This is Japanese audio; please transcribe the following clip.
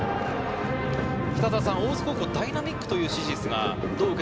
大津高校、ダイナミックという指示ですが。